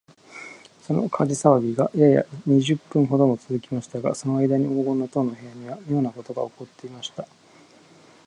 その火事さわぎが、やや二十分ほどもつづきましたが、そのあいだに黄金の塔の部屋には、みょうなことがおこっていました。